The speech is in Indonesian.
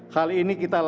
hal ini kita lakukan